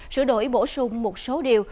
sửa đổi bổ sung một số điều